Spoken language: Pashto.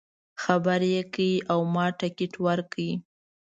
خبر یې کړ او ما ټکټ ورکړ.